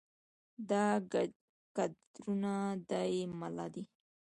دا کدرونه دا يې مله دي